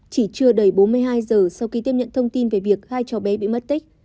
chỉ chưa đầy bốn mươi hai giờ sau khi tiếp nhận thông tin về việc hai cháu bé bị mất tích